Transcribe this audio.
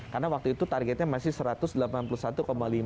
karena waktu itu targetnya masih satu ratus delapan puluh satu lima juta